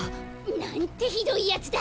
なんてひどいやつだ。